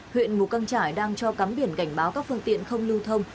huyện mù căng trải đang cho cắm biển cảnh báo các phương tiện không lưu thông